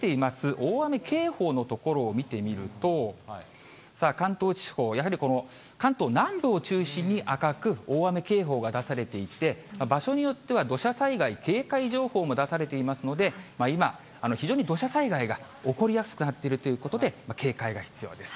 大雨警報の所を見てみると、関東地方、やはり、この関東南部を中心に赤く、大雨警報が出されていて、場所によっては、土砂災害警戒情報も出されていますので、今、非常に土砂災害が起こりやすくなっているということで、警戒が必要です。